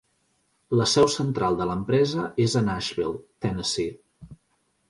La seu central de l'empresa és a Nashville, Tennessee.